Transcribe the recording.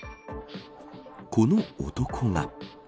この男が。